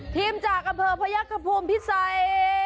ทีมจากอำเภอพระยักษ์กระภูมิพิเศษ